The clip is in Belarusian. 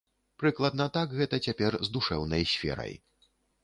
Прыкладна так гэта цяпер з душэўнай сферай.